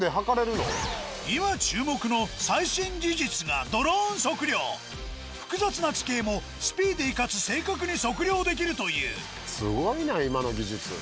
今注目の最新技術が複雑な地形もスピーディーかつ正確に測量できるというすごいな今の技術。